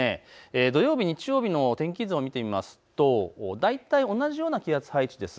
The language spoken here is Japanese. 土曜日、日曜日の天気図を見てみますと、大体同じような気圧配置です。